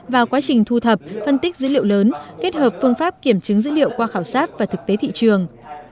vào quá trình thu thập phân tích dữ liệu lớn kết hợp phương pháp kiểm chứng dữ liệu qua khảo sát và thực tế thị trường